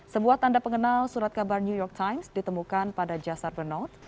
sebuah tanda pengenal surat kabar new york times ditemukan pada jasa renote